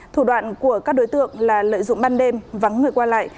thủ đoạn của các đối tượng là lợi dụng ban đêm vắng người qua lại